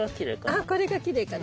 あっこれがきれいかな。